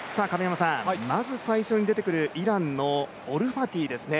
まず最初に出てくるイランのオルファティです。